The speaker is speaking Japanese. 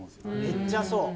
めっちゃそう！